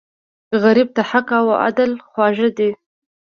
غریب ته حق او عدل خواږه دي